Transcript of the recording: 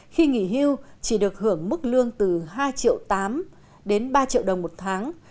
khi nghỉ hưu chỉ được hưởng mức lương từ hai triệu tám đến ba triệu đồng một tháng